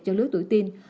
cho lứa tuổi tiên